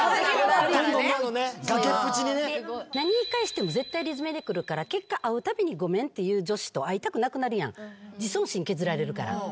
何言い返しても絶対理詰めでくるから結果会うたびに「ごめん」って言う女子と会いたくなくなるやん自尊心削られるから。